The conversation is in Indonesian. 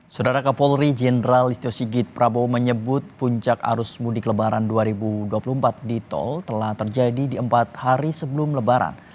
saudara kapolri jenderal listio sigit prabowo menyebut puncak arus mudik lebaran dua ribu dua puluh empat di tol telah terjadi di empat hari sebelum lebaran